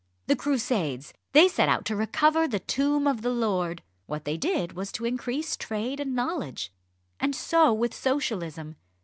The Crusades they set out to recover the tomb of the Lord! what they did was to increase trade and knowledge. And so with Socialism.